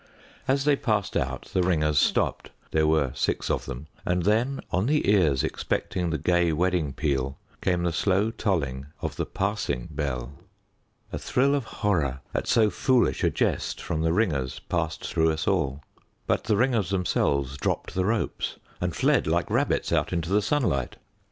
As they passed out the ringers stooped there were six of them and then, on the ears expecting the gay wedding peal, came the slow tolling of the passing bell. A thrill of horror at so foolish a jest from the ringers passed through us all. But the ringers themselves dropped the ropes and fled like rabbits out into the sunlight.